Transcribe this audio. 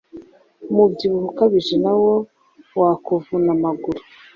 umubyibuho ukabije nawo wakuvuna amaguru